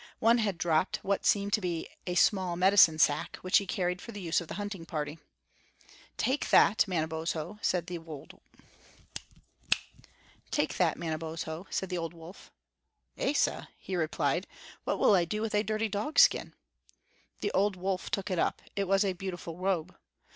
One had dropped what seemed to be a small medicine sack, which he carried for the use of the hunting party. "Take that, Manabozho," said the old wolf. "Esa," he replied, "what will I do with a dirty dogskin?" The old wolf took it up; it was a beautiful robe.